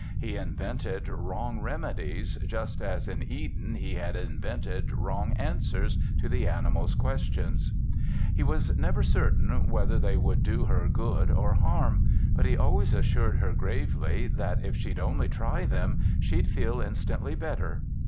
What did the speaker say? He invented wrong remedies, just as in Eden he had invented wrong answers to the animals' questions. He was never certain whether they would do her good or harm; but he always assured her gravely that, if she'd only try them, she'd feel instantly better.